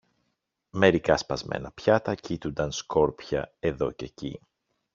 μερικά σπασμένα πιάτα κείτουνταν σκόρπια εδώ κι εκεί